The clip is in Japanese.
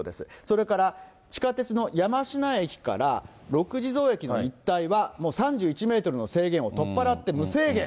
それから地下鉄の山科駅から六地蔵駅の一帯は、もう３１メートルの制限を取っ払って、無制限。